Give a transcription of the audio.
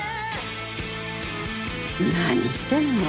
何言ってるの。